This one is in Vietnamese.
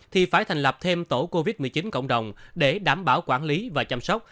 thì phải thành lập thêm tổ covid một mươi chín cộng đồng để đảm bảo quản lý và chăm sóc